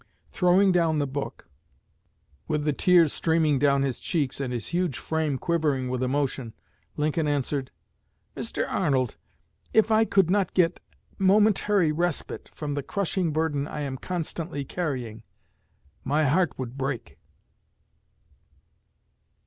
Throwing down the book, with the tears streaming down his cheeks and his huge frame quivering with emotion, Lincoln answered: "Mr. Arnold, if I could not get momentary respite from the crushing burden I am constantly carrying, my heart would break!"